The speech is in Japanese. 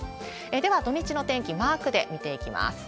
では、土日の天気、マークで見ていきます。